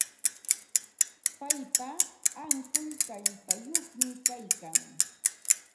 Paypa ankun kallpayuqmi kaykan.